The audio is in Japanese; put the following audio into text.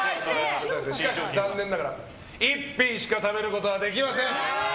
残念ながら１品しか食べることできません！